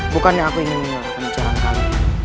bukannya aku ingin meninggalkan ucairan kami